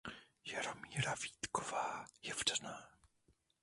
Jaromíra Vítková je vdaná.